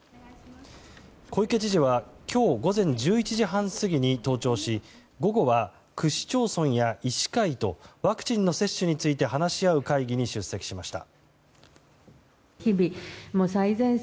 小池知事は今日午前１１時半過ぎに登庁し午後は区市町村や医師会とワクチンの接種について話し合う会議に出席しました。